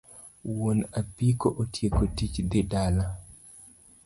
Wuon apiko otieko tich dhi dala.